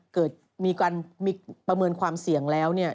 เกิดมีการประเมินความเสี่ยงแล้ว